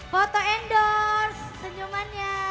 foto endorse senyumannya